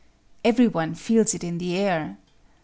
Everyone feels it in the air.